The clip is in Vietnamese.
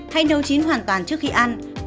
hãy nấu chín hoàn toàn trước khi ăn